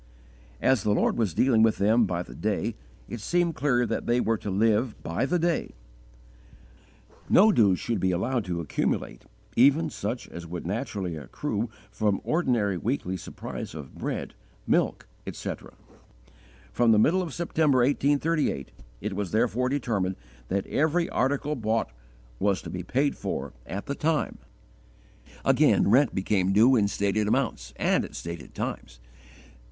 As the Lord was dealing with them by the day, it seemed clear that they were to live by the day. No dues [Transcriber's note: unpaid debts] should be allowed to accumulate, even such as would naturally accrue from ordinary weekly supplies of bread, milk, etc. From the middle of September, 1838, it was therefore determined that every article bought was to be paid for at the time. Again, rent became due in stated amounts and at stated times.